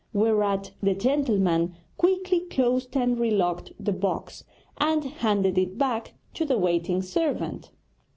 Whereat the gentleman quickly closed and relocked the box, and handed it back to the waiting servant.